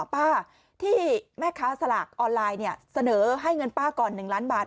ป้าที่แม่ค้าสลากออนไลน์เนี่ยเสนอให้เงินป้าก่อน๑ล้านบาท